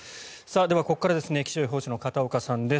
ここから気象予報士の片岡さんです。